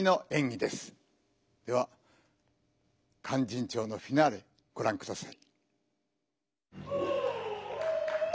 では「勧進帳」のフィナーレごらんください。